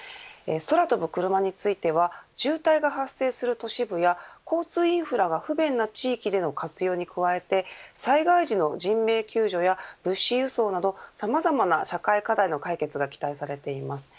空飛ぶクルマについては渋滞が発生する都市部や交通インフラが不便な地域での活用に加えて災害時の人命救助や物資輸送などさまざまな社会課題の解決が期待されています。